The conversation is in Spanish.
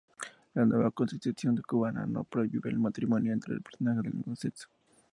La nueva Constitución cubana no prohíbe el matrimonio entre personas del mismo sexo.